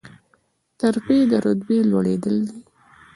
ترفیع د رتبې لوړیدل دي